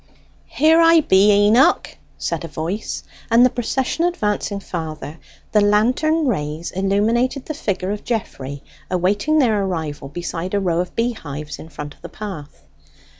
"Here I be, Enoch," said a voice; and the procession advancing farther, the lantern's rays illuminated the figure of Geoffrey, awaiting their arrival beside a row of bee hives, in front of the path.